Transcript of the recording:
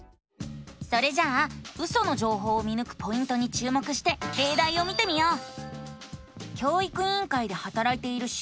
それじゃあウソの情報を見ぬくポイントに注目してれいだいを見てみよう！